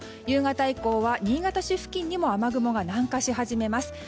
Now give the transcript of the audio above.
夕方以降は新潟市付近でも雨雲が南下し始めます。